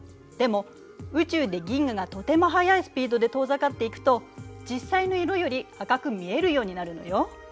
でも宇宙で銀河がとても速いスピードで遠ざかっていくと実際の色より赤く見えるようになるのよ。